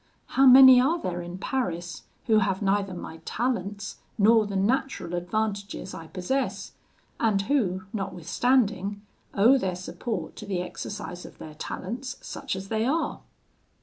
How many are there in Paris, who have neither my talents, nor the natural advantages I possess, and who, notwithstanding, owe their support to the exercise of their talents, such as they are?